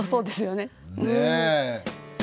ねえ。